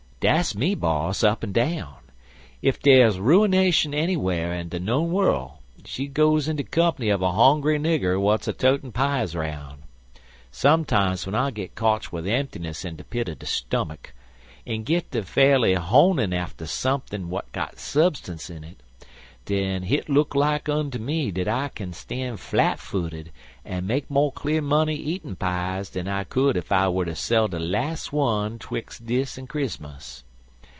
"Dat's me, boss, up an' down. Ef dere's ruinashun ennywhar in de known wurril, she goes in de comp'ny uv a hongry nigger w'at's a totin' pies 'roun.' Sometimes w'en I git kotch wid emptiness in de pit er de stummuck, an' git ter fairly honin' arter sumpin' w'at got substance in it, den hit look like unto me dat I kin stan' flat footed an' make more cle'r money eatin' pies dan I could if I wuz ter sell de las' one 'twixt dis an' Chris'mus.